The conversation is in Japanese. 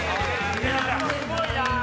すごいな！